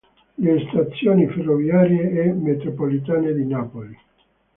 Le stazioni ferroviarie e metropolitane di Napoli